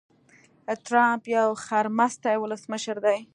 ټرمپ يو خرمستی ولسمشر دي.